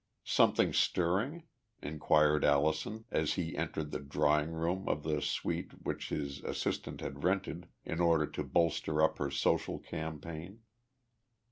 "Something stirring?" inquired Allison as he entered the drawing room of the suite which his assistant had rented in order to bolster up her social campaign.